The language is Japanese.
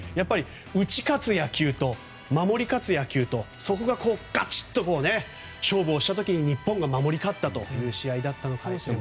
打ち勝つ野球と守り勝つ野球とそこがガチッと勝負をした時日本が守り勝ったという試合だったのかもしれません。